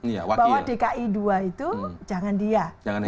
bahwa dki dua itu jangan dia